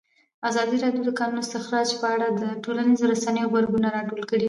ازادي راډیو د د کانونو استخراج په اړه د ټولنیزو رسنیو غبرګونونه راټول کړي.